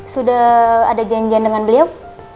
sudah ada janjian dengan beliau